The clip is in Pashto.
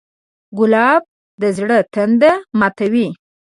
ګلاب د زړه تنده ماتوي.